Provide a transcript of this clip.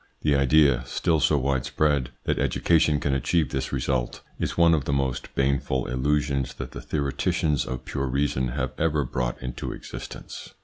The idea, still so wide spread, that education can achieve this result, is one of the most baneful illusions that the theoreticians of pure reason have ever brought into existence.